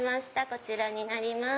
こちらになります。